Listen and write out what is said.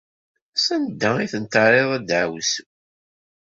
Sanda i ten-terriḍ, a ddeɛwessu?